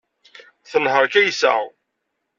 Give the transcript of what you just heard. Tenheṛ Kaysa.